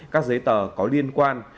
các giấy tờ có liên quan